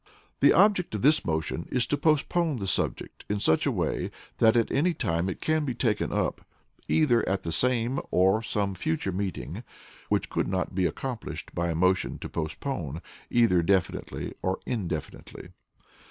The Object of this motion is to postpone the subject in such a way, that at any time it can be taken up, either at the same or some future meeting, which could not be accomplished by a motion to postpone, either definitely or indefinitely.